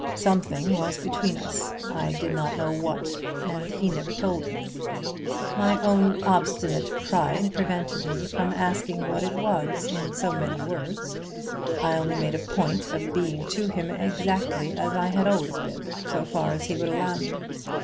Something was between us, I did not know what, and he never told me. My own obstinate pride prevented me from asking what it was in so many words; I only made a point of being to him exactly as I had always been, so far as he would allow me.